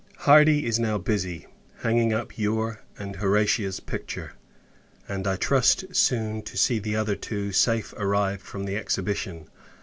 Hardy is now busy, hanging up your and Horatia's picture; and I trust soon to see the other two safe arrived from the Exhibition.